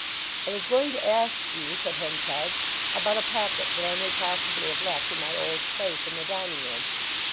"I was going to ask you," said Henchard, "about a packet that I may possibly have left in my old safe in the dining room."